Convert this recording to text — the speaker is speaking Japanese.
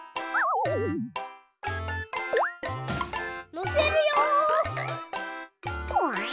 のせるよ！